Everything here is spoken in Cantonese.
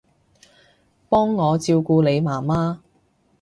幫我照顧你媽媽